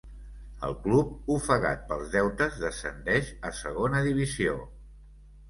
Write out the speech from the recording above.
El club, ofegat pels deutes, descendeix a segona divisió.